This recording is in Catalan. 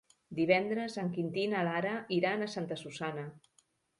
Divendres en Quintí i na Lara iran a Santa Susanna.